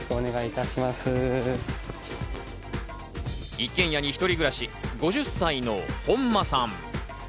一軒家に一人暮らし、５０歳の本間さん。